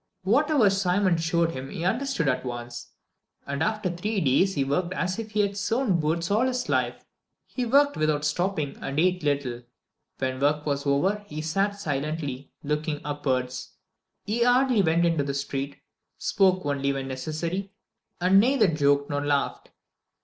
Whatever Simon showed him he understood at once, and after three days he worked as if he had sewn boots all his life. He worked without stopping, and ate little. When work was over he sat silently, looking upwards. He hardly went into the street, spoke only when necessary, and neither joked nor laughed.